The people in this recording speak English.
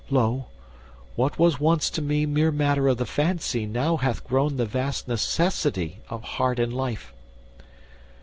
Lo! what was once to me Mere matter of the fancy, now hath grown The vast necessity of heart and life.